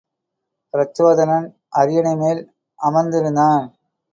பிரச்சோதனன் அரியணைமேல் அமர்ந்திருந்தான்.